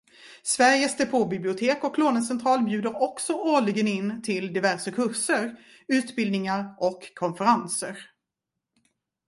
Sveriges depåbibliotek och lånecentral bjuder också årligen in till diverse kurser, utbildningar och konferenser.